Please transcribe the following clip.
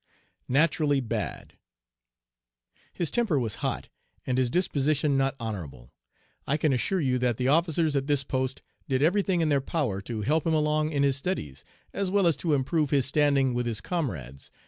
NATURALLY BAD His temper was hot, and his disposition not honorable. I can assure you that the officers at this post did every thing in their power to help him along in his studies, as well as to improve his standing with his comrades.